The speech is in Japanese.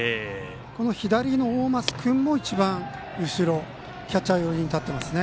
この左の大舛君も一番後ろキャッチャー寄りに立ってますね。